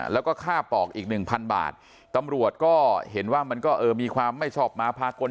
และค่าปอกอีก๑๐๐๐บาทตำรวจก็เห็นว่ามีความไม่ชอบมาพากล